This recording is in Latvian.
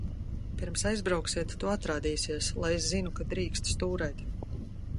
Pirms aizbrauksiet, tu atrādīsies, lai zinu, ka drīksti stūrēt.